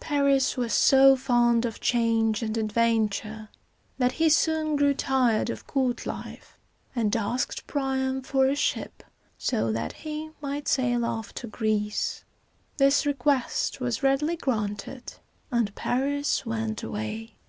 Paris was so fond of change and adventure, that he soon grew tired of court life, and asked Priam for a ship, so that he might sail off to Greece. This request was readily granted, and Paris went away.